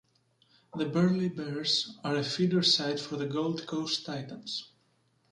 The Burleigh Bears are a feeder side for the Gold Coast Titans.